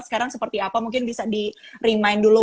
sekarang seperti apa mungkin bisa di remind dulu